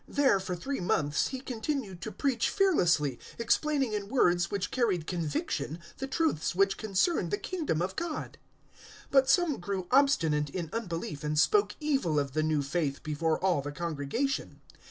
There for three months he continued to preach fearlessly, explaining in words which carried conviction the truths which concern the Kingdom of God. 019:009 But some grew obstinate in unbelief and spoke evil of the new faith before all the congregation.